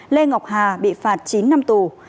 lê ngọc hà bị phạt chín năm tù